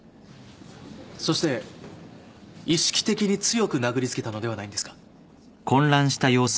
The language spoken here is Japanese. そして意識的に強く殴り付けたのではないんですか。